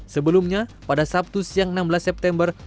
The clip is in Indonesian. sebelumnya pada sabtu siang enam belas september